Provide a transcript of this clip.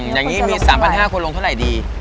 อย่างนี้๓๕๐๐บาทควรลงเท่าไหร่ดี